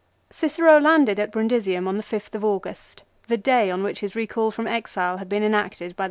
Cicero landed at Brundusium on the 5th August, the ,,.. day on which his recall from exile had been enacted JJ.